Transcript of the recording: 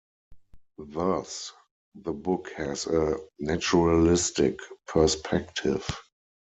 Thus, the book has a naturalistic perspective.